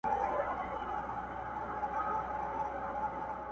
چي اې زویه اې زما د سترګو توره،